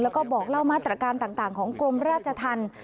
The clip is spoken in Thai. แล้วก็บอกเล่ามาตรการต่างของกรมราชธรรม